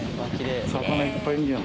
・魚いっぱいいるじゃん。